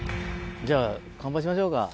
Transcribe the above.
じゃあ乾杯しましょうか。